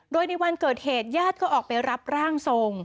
โดยในวันเกิดเหตุญาติก็ออกไปรับร่างทรง